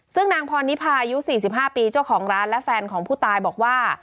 ซึ่งนางพรนิพายุ๔๕ปีเจ้าของร้านและแฟนของผู้ตายบอกว่า